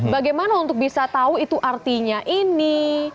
bagaimana untuk bisa tahu itu artinya ini